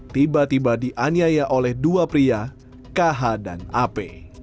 tiba tiba dianiaya oleh dua pria kh dan ap